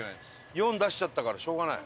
「４」出しちゃったからしょうがない。